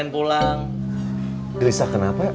nanti kita ke sana